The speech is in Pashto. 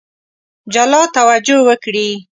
جلا توجه وکړي.